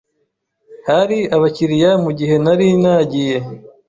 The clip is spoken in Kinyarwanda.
Hari abakiriya mugihe nari nagiye?